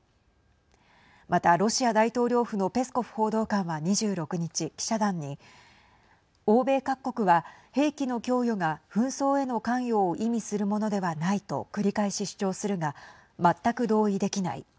またロシア大統領府のペスコフ報道官は２６日記者団に、欧米各国は兵器の供与が紛争への関与を意味するものではないと繰り返し主張するが全く同意できない。